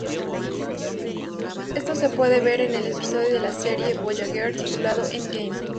Eso se puede ver en el episodio de la serie "Voyager" titulado "Endgame".